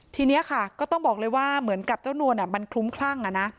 ทีนี้ค่ะก็ต้องบอกเลยว่าเหมือนกับเจ้านวลมันคลุ้มคลั่ง